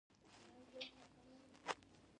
د خاورې د استحکام لپاره نیالګي وکرو.